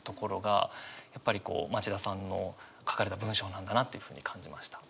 やっぱりこう町田さんの書かれた文章なんだなっていうふうに感じました。